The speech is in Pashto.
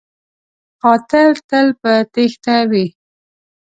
قاتل تل په تیښته وي